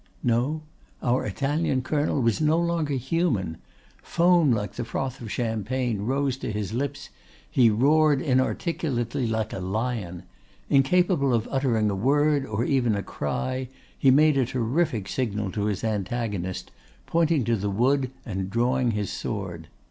No, our Italian colonel was no longer human! Foam like the froth of champagne rose to his lips; he roared inarticulately like a lion. Incapable of uttering a word, or even a cry, he made a terrific signal to his antagonist, pointing to the wood and drawing his sword.